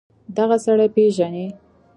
دغه سړى پېژنې.